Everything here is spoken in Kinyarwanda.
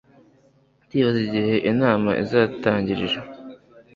Ndibaza igihe inama izatangirira